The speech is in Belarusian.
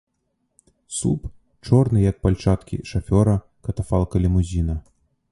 Суп, чорны, як пальчаткі шафёра катафалка-лімузіна.